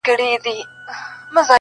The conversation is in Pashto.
یوه کیسه نه لرم، ګراني د هیچا زوی نه یم.